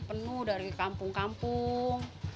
penuh dari kampung kampung